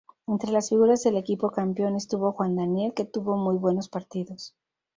Entre las figuras del equipo campeón, estuvo Juan Daniel, que tuvo muy buenos partidos.